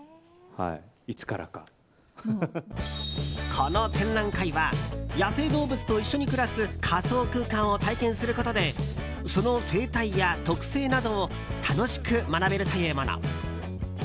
この展覧会は野生動物と一緒に暮らす仮想空間を体験することでその生態や特性などを楽しく学べるというもの。